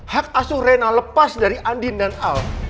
hak asuh rena lepas dari andin dan al